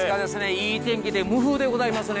いい天気で無風でございますね。